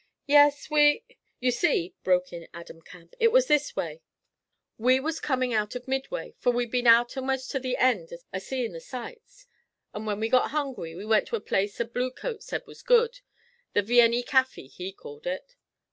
'Yes we ' 'You see,' broke in Adam Camp, 'it was this way: we was comin' out of Midway, for we'd been out a'most to the end a seein' the sights, an' when we got hungry we went into a place a blue coat said was good, the Vienny Caffy, he called it.